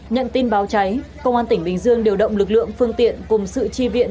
nhận tin báo cháy công an tỉnh bình dương điều động lực lượng phương tiện cùng sự chi viện